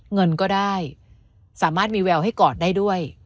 เงินก็ได้สามารถมีแววให้กอดได้ด้วย